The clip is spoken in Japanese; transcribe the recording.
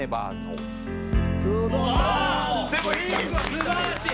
素晴らしい！